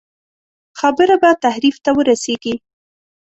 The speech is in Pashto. خبره به تحریف ته ورسېږي.